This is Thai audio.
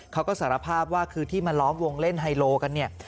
เขาก็สารภาพว่าคือที่มาล้อมวงเล่นไฮโลกันเนี่ย